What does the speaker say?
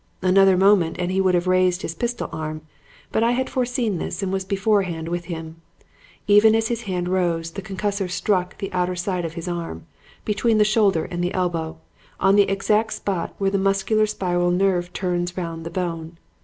Another moment and he would have raised his pistol arm, but I had foreseen this and was beforehand with him. Even as his hand rose, the concussor struck the outer side of his arm, between the shoulder and the elbow, on the exact spot where the musculo spiral nerve turns round the bone.